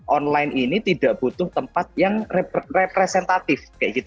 online ini tidak butuh tempat yang representatif